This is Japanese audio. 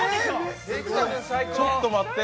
ちょっと待って。